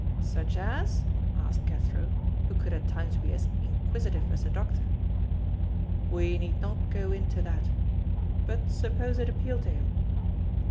"Such as?" asked Cathro, who could at times be as inquisitive as the doctor. "We need not go into that. But suppose it appealed to him?"